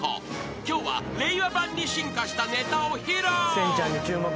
［今日は令和版に進化したネタを披露］